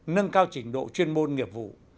nâng cao trình độ chuyên môn nghiệp vụ